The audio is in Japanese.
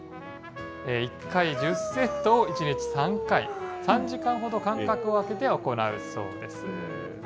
１回１０セットを１日３回、３時間ほど間隔を空けて行うそうです。